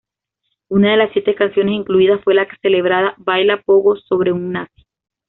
Una de las siete canciones incluidas fue la celebrada "Baila pogo sobre un nazi".